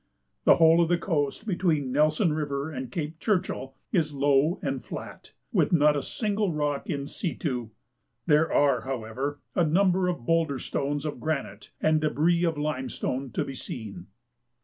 The whole of the coast between Nelson River and Cape Churchill is low and flat, with not a single rock in situ. There are, however, a number of boulder stones of granite, and debris of limestone, to be seen.